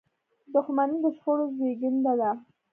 • دښمني د شخړو زیږنده ده.